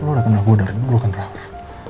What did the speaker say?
lo udah kenal gue dari dulu kan raff